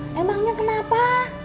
duh emangnya kenapa